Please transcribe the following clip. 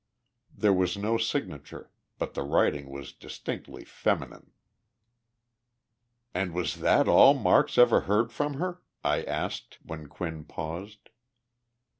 There was no signature, but the writing was distinctly feminine. "And was that all Marks ever heard from her?" I asked, when Quinn paused.